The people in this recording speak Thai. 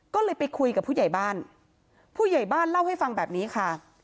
ก็เลยไปคุยกับผู้ใหญ่บ้านผู้ใหญ่บ้านเล่าให้ฟังแบบนี้ค่ะ